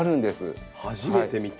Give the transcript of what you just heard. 初めて見た。